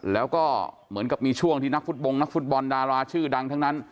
แล้วก็เหมือนกับมีช่วงที่นักฟุตบงนักฟุตบอลดาราชื่อดังทั้งนั้น